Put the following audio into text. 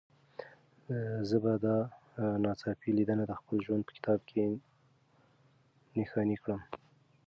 زه به دا ناڅاپي لیدنه د خپل ژوند په کتاب کې نښاني کړم.